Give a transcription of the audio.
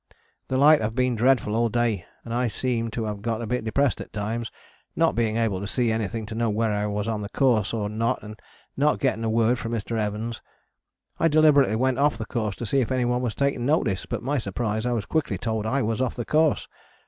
The light have been dreadful all day and I seemed to have got a bit depressed at times, not being able to see anything to know where I was on the course or not and not getting a word from Mr. Evans. I deliberately went off the course to see if anyone was taking notice but to my surprise I was quickly told I was off the course.